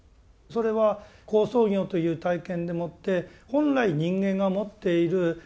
それは好相行という体験でもって本来人間が持っている